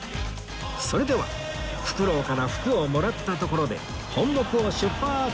それではふくろうから福をもらったところで本牧を出発！